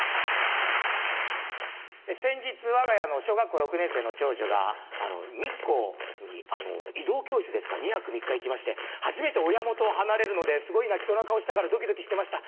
先日わが家の小学校６年生の長女が日光に移動教室ですか２泊３日行きまして初めて親元を離れるのですごい泣きそうな顔しながらドキドキしてました。